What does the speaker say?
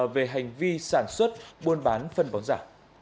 về hành vi sản xuất buôn bán phân bón giả